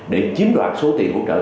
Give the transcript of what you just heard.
để chiếm đoạt số tiền hỗ trợ